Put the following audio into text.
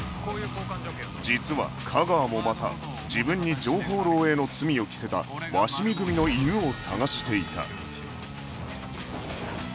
実は架川もまた自分に情報漏洩の罪を着せた鷲見組の犬を捜していた